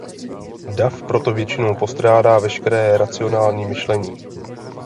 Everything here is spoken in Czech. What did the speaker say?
Dav proto většinou postrádá veškeré racionální myšlení.